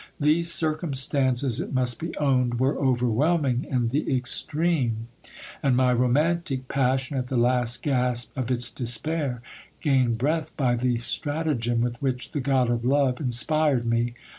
These circumstances, it must be owned, were overwhelming in the extreme ; and my romantic passion, at the last gasp of its despair, gained breath by the stratagem with which the god of love inspired me.